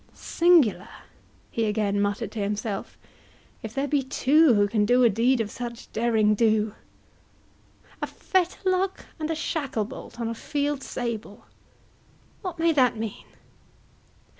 —Singular," he again muttered to himself, "if there be two who can do a deed of such derring do! 37—a fetterlock, and a shacklebolt on a field sable—what may that mean?